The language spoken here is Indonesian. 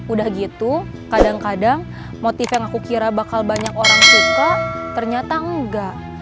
udah gitu kadang kadang motif yang aku kira bakal banyak orang suka ternyata enggak